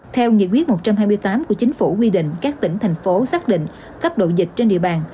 theo nghị quyết một trăm hai mươi tám của chính phủ quy định các tỉnh thành phố xác định cấp độ dịch trên địa bàn